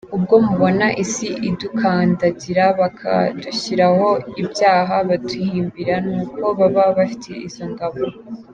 Ubwo mubona isi idukandagira bakadushyiraho ibyaha baduhimbira ni uko baba bafite izo ngabo.